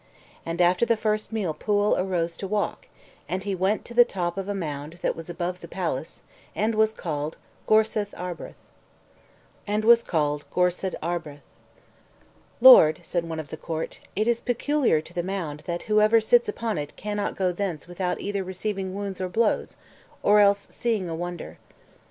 And after the first meal Pwyll arose to walk; and he went to the top of a mound that was above the palace, and was called Gorsedd Arberth. "Lord," said one of the court, "it is peculiar to the mound that whosoever sits upon it cannot go thence without either receiving wounds or blows, or else seeing a wonder."